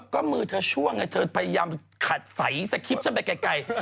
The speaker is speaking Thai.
ก็มือเธอชั่วไงเธอพยายามขาดสายสกิฟต์ฉันไปไกล